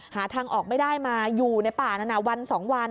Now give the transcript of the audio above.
หาทางออกไม่ได้มาอยู่ในป่านั้นวัน๒วัน